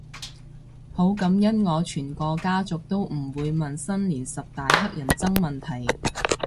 好感恩我全個家族都唔會問新年十大乞人憎問題